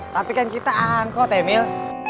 tapi kan kita angkot emil